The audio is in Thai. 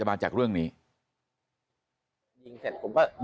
ทำให้สัมภาษณ์อะไรต่างนานไปออกรายการเยอะแยะไปหมด